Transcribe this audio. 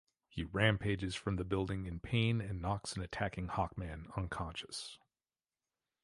He rampages from the building in pain and knocks an attacking Hawkman unconscious.